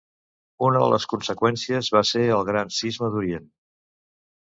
Una de les conseqüències va ser el Gran Cisma d'Orient.